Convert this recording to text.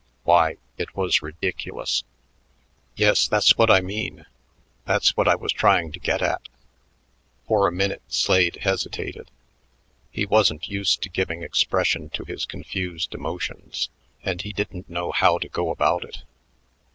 Why, it was ridiculous. "Yes, that's what I mean; that's what I was trying to get at." For a minute Slade hesitated; he wasn't used to giving expression to his confused emotions, and he didn't know how to go about it.